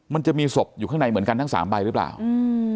มันจะมีศพอยู่ข้างในเหมือนกันทั้งสามใบหรือเปล่าอืม